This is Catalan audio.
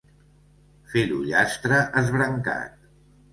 Fer l'ullastre esbrancat.